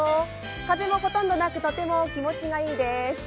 風もほとんどなく、とても気持ちがいいです。